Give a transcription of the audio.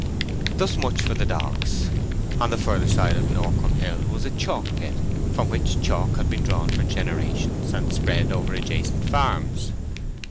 Thus much for the dogs. On the further side of Norcombe Hill was a chalk pit, from which chalk had been drawn for generations, and spread over adjacent farms.